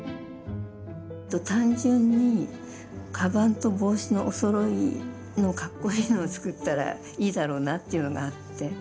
単純にカバンと帽子のおそろいのカッコイイのを作ったらいいだろうなっていうのがあって。